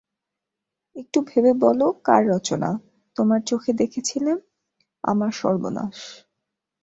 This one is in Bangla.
একটু ভেবে বলো কার রচনা– তোমার চোখে দেখেছিলাম আমার সর্বনাশ।